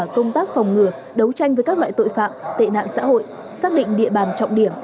công tác phòng ngừa đấu tranh với các loại tội phạm tệ nạn xã hội xác định địa bàn trọng điểm